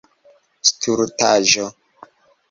stultaĵo